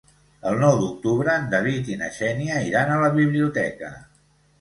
El nou d'octubre en David i na Xènia iran a la biblioteca.